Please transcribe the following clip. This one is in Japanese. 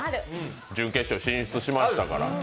準決勝進出しましたから。